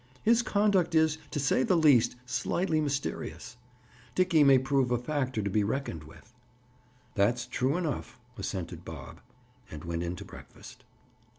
His conduct is, to say the least, slightly mysterious. Dickie may prove a factor to be reckoned with." "That's true enough," assented Bob, and went in to breakfast.